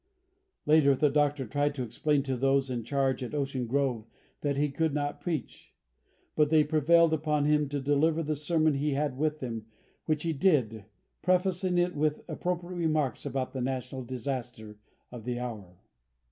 Later the Doctor tried to explain to those in charge at Ocean Grove that he could not preach, but they prevailed upon him to deliver the sermon he had with him, which he did, prefacing it with appropriate remarks about the national disaster of the hour.